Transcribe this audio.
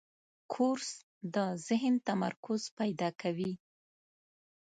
کورس د ذهن تمرکز پیدا کوي.